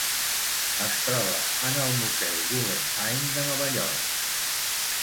Es troba en el Museu Guggenheim de Nova York.